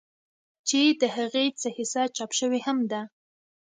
چې د هغې څۀ حصه چاپ شوې هم ده